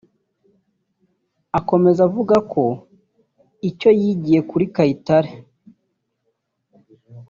Akomeza avuga ko icyo yigiye kuri Kayitare